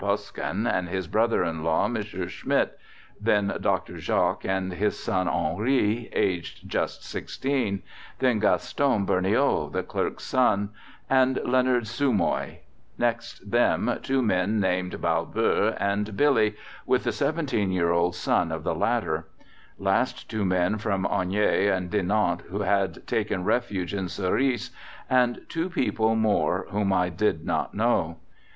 Poskin, and his brother in law, Mons. Schmidt, then Doctor Jacques and his son Henri, aged just 16, then Gaston Burniaux, the clerk's son, and Leonard Soumoy: next them two men named Balbeur and Billy, with the 17 year old son of the latter: last two men from Onhaye and Dinant who had taken refuge in Surice, and two people more whom I did not know.